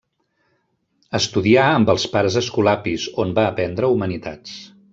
Estudià amb els Pares Escolapis, on va aprendre humanitats.